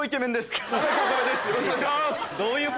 よろしくお願いします。